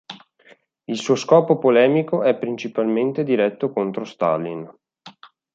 Il suo scopo polemico è principalmente diretto contro Stalin.